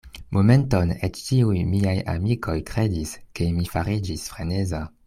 Momenton eĉ ĉiuj miaj amikoj kredis, ke mi fariĝis freneza.